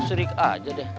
surik aja deh